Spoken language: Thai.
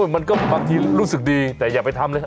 บางทีรู้สึกดีแต่อย่าไปทำเลย